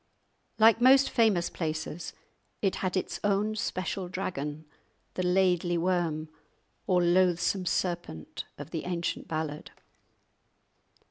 Like most famous places, it had its own special dragon, the "Laidly Worm" or loathsome serpent of the ancient ballad.